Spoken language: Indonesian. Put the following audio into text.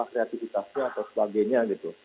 kreatifitasnya atau sebagainya